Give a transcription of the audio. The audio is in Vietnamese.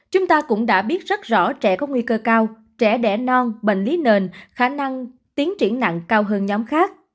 chúng ta cũng đã biết rất rõ trẻ có nguy cơ cao trẻ đẻ non bệnh lý nền khả năng tiến triển nặng cao hơn nhóm khác